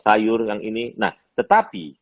sayur yang ini nah tetapi